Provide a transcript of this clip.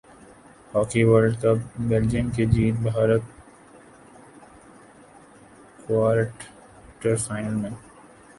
hockey world cup Belgium کی جیت Bharat quarter final میں